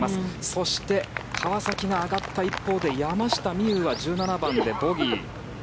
そして川崎が上がった一方で山下美夢有は１７番でボギー。